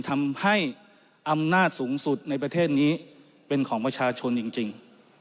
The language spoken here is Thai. ทำให้อำนาจสูงสุดในประเทศนี้เป็นของประชาชนจริง